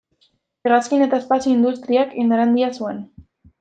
Hegazkin eta espazio industriak indar handia zuen.